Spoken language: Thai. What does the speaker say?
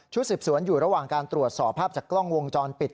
สืบสวนอยู่ระหว่างการตรวจสอบภาพจากกล้องวงจรปิด